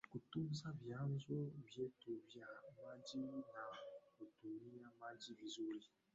kutunza vyanzo vyetu vya maji na kutumia maji vizuri